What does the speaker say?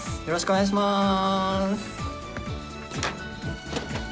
よろしくお願いします。